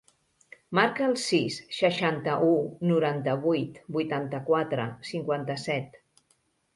Marca el sis, seixanta-u, noranta-vuit, vuitanta-quatre, cinquanta-set.